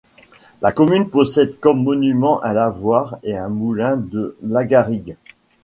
La commune possède comme monuments un lavoir et le Moulin de Lagarrigue.